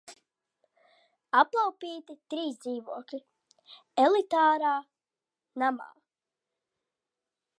Aplaupīti trīs dzīvokļi elitārā namā!